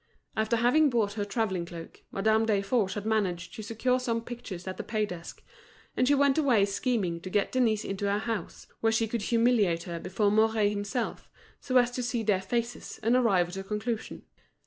After having bought her travelling cloak, Madame Desforges had managed to secure some pictures at the pay desk; and she went away scheming to get Denise into her house, where she could humiliate her before Mouret himself, so as to see their faces and arrive at a conclusion.